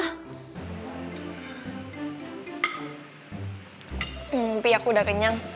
hmm tapi aku udah kenyang